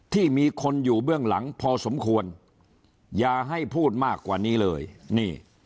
ที่มีคนอยู่เบื้องหลังพอสมควรอย่าให้พูดมากกว่านี้เลยนี่